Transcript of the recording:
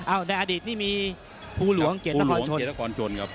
อ้าวในอดีตนี่มีพูลวงเกษตรกรชนครับ